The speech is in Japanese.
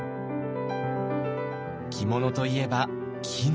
着物といえば絹。